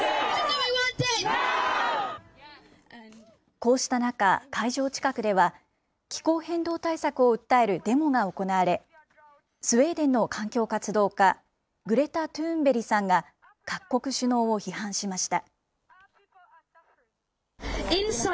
こうした中、会場近くでは気候変動対策を訴えるデモが行われ、スウェーデンの環境活動家、グレタ・トゥーンベリさんが各国首脳を批判しました。